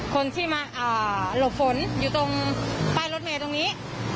คนที่มาหลบฝนอยู่ตรงป้ายรถเมย์ตรงนี้